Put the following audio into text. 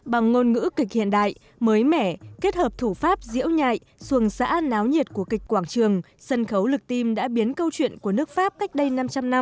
bằng ngôn ngữ kịch hiện đại mới mẻ kết hợp thủ pháp diễu nhạy xuồng xã náo nhiệt của kịch quảng trường sân khấu lực tim đã biến câu chuyện của nước pháp cách đây năm trăm linh năm